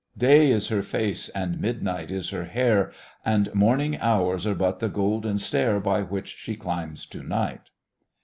_" "Day is her face, and midnight is her hair, And morning hours are but the golden stair By which she climbs to Night."